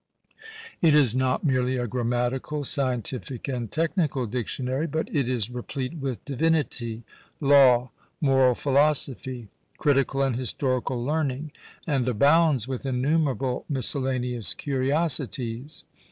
It is not merely a grammatical, scientific, and technical dictionary, but it is replete with divinity, law, moral philosophy, critical and historical learning, and abounds with innumerable miscellaneous curiosities.